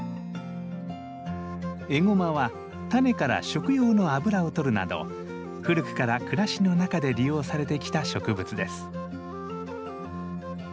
エゴマはタネから食用の油をとるなど古くから暮らしの中で利用されてきた植物です。